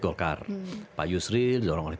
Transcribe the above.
golkar pak yusril didorong oleh